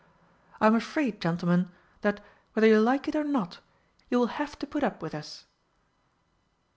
I'm afraid, gentlemen, that, whether you like it or not, you will have to put up with us."